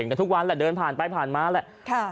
เห็นถ้าทุกวันเดินผ่านไปผ่านมาแล้ว